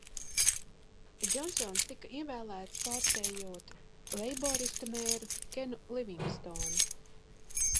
Džonsons tika ievēlēts, pārspējot leiboristu mēru Kenu Livingstonu.